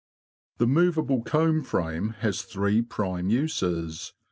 The movable comb frame has three prime uses.